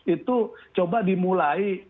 itu coba dimulai